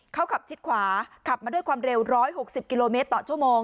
เขาขับชิดขวาขับมาด้วยความเร็ว๑๖๐กิโลเมตรต่อชั่วโมง